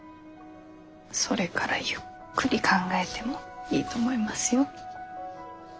それからゆっくり考えてもいいと思いますよ。